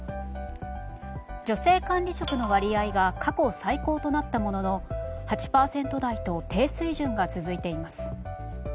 女性管理職の割合が過去最高となったものの８％台と低水準が続いています。